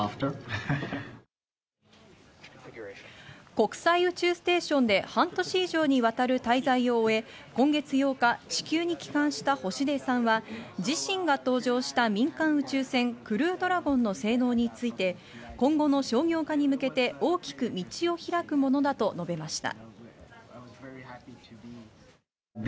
国際宇宙ステーションで半年以上にわたる滞在を終え、今月８日、地球に帰還した星出さんは自身が搭乗した民間宇宙船・クルードラゴンの性能について今後の商業化に向けて大きく道を開くものだと述べました。